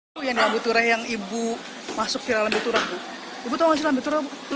hai yang abu tureh yang ibu masuk viral abu tureh ibu tahu